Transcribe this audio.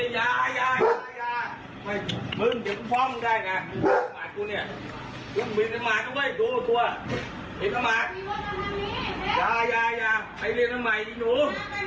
อย่ายายายไปเล่นใหม่ดิหนู